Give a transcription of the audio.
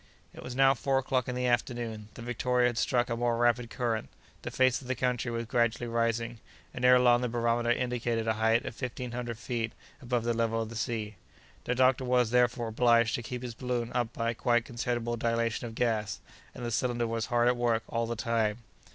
It was now four o'clock in the afternoon. The Victoria had struck a more rapid current. The face of the country was gradually rising, and, ere long, the barometer indicated a height of fifteen hundred feet above the level of the sea. The doctor was, therefore, obliged to keep his balloon up by a quite considerable dilation of gas, and the cylinder was hard at work all the time.